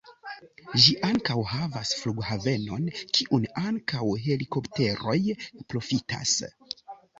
Ĝi ankaŭ havas flughavenon, kiun ankaŭ helikopteroj profitas.